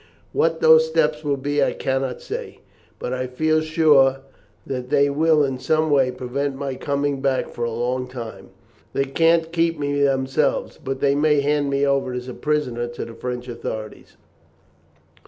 "What those steps will be I cannot say, but I feel sure that they will in some way prevent my coming back for a long time. They can't keep me themselves, but may hand me over as a prisoner to the French authorities.